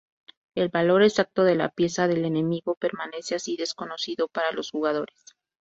El valor exacto de la pieza del enemigo permanece así desconocido para los jugadores.